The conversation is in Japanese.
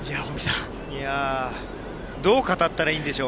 どう語ったらいいんでしょう。